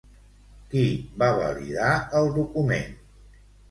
Qui va validar el document?